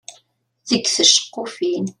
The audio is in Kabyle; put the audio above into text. Deg tceqqufin.